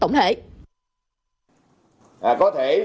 tổng hệ đề án hoàn thiện hai trăm hai mươi km đường sát đô thị